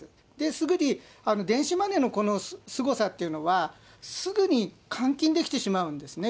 すぐに、電子マネーのこのすごさっていうのは、すぐに換金できてしまうんですね。